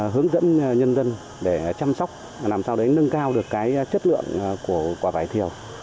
hướng dẫn nhân dân để chăm sóc làm sao đấy nâng cao được cái chất lượng của quả vải thiều